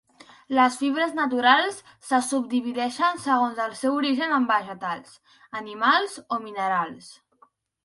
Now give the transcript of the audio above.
Les fibres naturals se subdivideixen segons el seu origen en vegetals, animals o minerals.